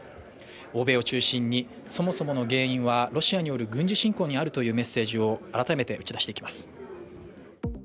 欧米を中心にそもそもの原因はロシアによる軍事侵攻にあるというメッセージを改めて打ち出してきます。